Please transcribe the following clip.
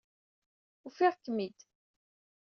Ufiɣ-kem-id.